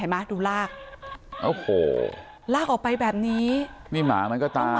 ดูลากโอ้โหลากออกไปแบบนี้นี่หมามันก็ตาย